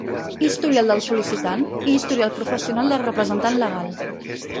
Historial del sol·licitant i historial professional del representant legal.